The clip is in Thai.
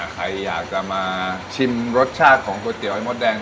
ใครอยากจะมาชิมรสชาติของก๋วยเตี๋ยมดแดง